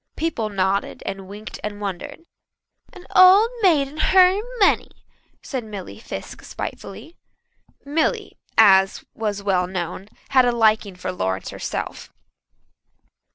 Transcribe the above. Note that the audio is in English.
People nodded and winked and wondered. "An old maid and her money," said Milly Fiske spitefully. Milly, as was well known, had a liking for Lawrence herself.